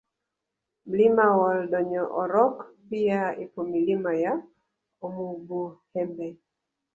Mlima wa Oldoinyo Orok pia ipo Milima ya Omubuhembe